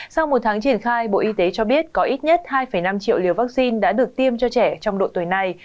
sau một tháng triển khai bộ y tế cho biết có ít nhất hai năm triệu liều vaccine đã được tiêm cho trẻ trong độ tuổi này